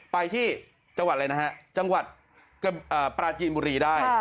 ไปที่จังหวัดอะไรนะฮะจังหวัดปราจีนบุรีได้